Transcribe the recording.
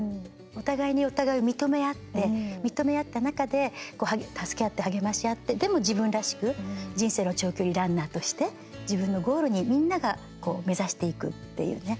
お互いにお互いを認め合って認め合った中で助け合って励まし合って、でも自分らしく人生の長距離ランナーとして自分のゴールにみんなが目指していくっていうね。